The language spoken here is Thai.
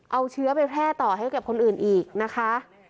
เอาเชื้อไปแพร่ต่อให้กับคนอื่นอีกนะคะ